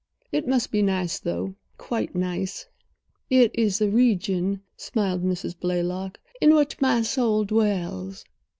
It must be nice, though—quite nice." "It is the region," smiled Mrs. Blaylock, "in which my soul dwells.